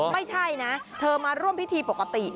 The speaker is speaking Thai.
ไม่ใช่นะเธอมาร่วมพิธีปกติ